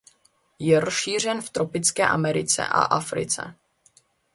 Je rozšířen v tropické Americe a Africe.